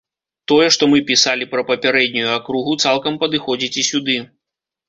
Тое, што мы пісалі пра папярэднюю акругу, цалкам падыходзіць і сюды.